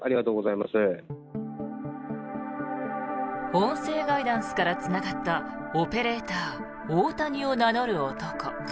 音声ガイダンスからつながったオペレーターオオタニを名乗る男。